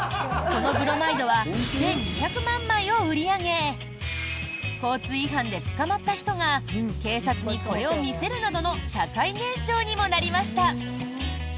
このブロマイドは１２００万枚を売り上げ交通違反で捕まった人が警察にこれを見せるなどの社会現象にもなりました。